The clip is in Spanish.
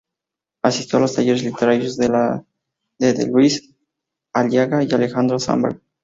Asistió a los talleres literarios de de Luis López-Aliaga y Alejandro Zambra.